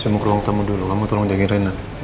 saya mau ke ruang tamu dulu kamu tolong jangan renat